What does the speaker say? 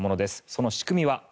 その仕組みは。